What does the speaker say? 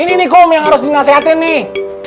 ini nih kum yang harus dinasihatin nih